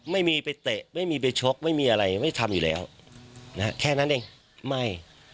ไม่มีไปเตะไม่มีไปชกไม่มีอะไรไม่ทำอยู่แล้วนะฮะแค่นั้นเองไม่